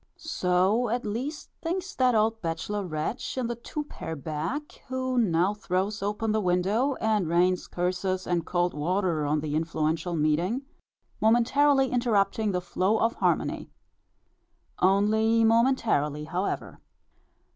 So at least thinks that old bachelor wretch in the two pair back, who now throws open the window, and rains curses and cold water on the influential meeting, momentarily interrupting the flow of harmony. Only momentarily however.